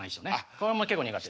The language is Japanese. これも結構苦手。